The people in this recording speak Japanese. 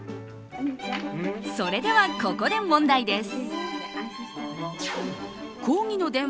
それでは、ここで問題です。